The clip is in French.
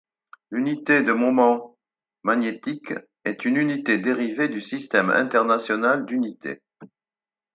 L'unité de moment magnétique est une unité dérivée du Système international d'unités.